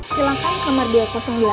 silahkan kamar dua ratus delapan bu